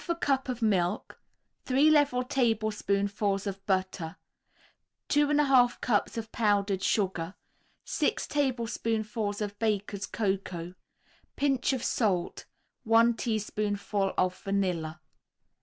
] 1/2 a cup of milk, 3 level tablespoonfuls of butter, 2 1/2 cups of powdered sugar, 6 tablespoonfuls of Baker's Cocoa, Pinch of salt, 1 teaspoonful of vanilla.